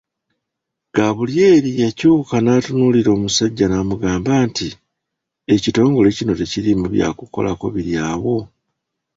Gaabulyeri yakyuka n’atunuulira omusajja n’amugamba nti, “Ekitongole kino tekiriimu bya kukolako biri awo.